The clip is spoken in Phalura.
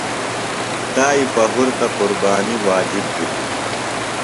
تائی پہُرتہ قربانیۡ واجب بِھلیۡ۔